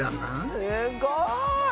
すごい！